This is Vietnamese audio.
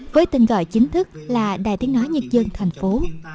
với tên gọi chính thức là đài tiếng nói nhân dân thành phố